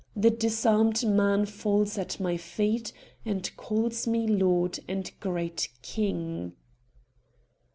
The disarmed man falls at my feet and calls me Lord and Great King."